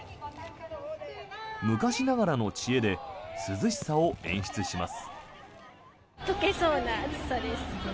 昔ながらの知恵で涼しさを演出します。